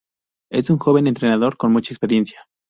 És un joven entrenador, con mucha experiencia.